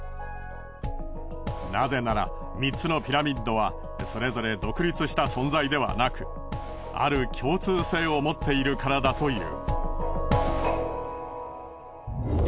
なぜなら３つのピラミッドはそれぞれ独立した存在ではなくある共通性を持っているからだという。